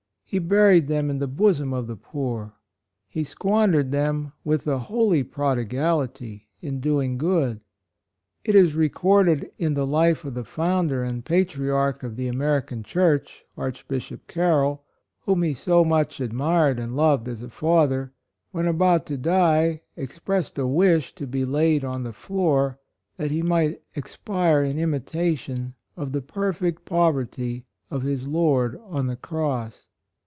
He buried them in the bosom of the poor. He squandered them with a holy prodi gality in doing good. It is recorded in the life of the founder and patri arch of the American Church, Arch bishop Carroll, whom he so much admired and loved as a father, when about to die, expressed a wish to be laid on the floor that he might ex pire in imitation of the perfect pov erty of his Lord on the Cross.